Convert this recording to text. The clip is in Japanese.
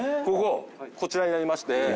こちらになりまして。